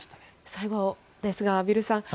最後ですが畔蒜さん